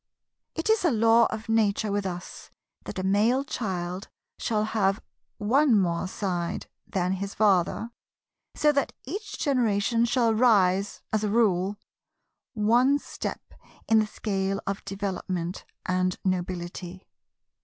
It is a Law of Nature with us that a male child shall have one more side than his father, so that each generation shall rise (as a rule) one step in the scale of development and nobility.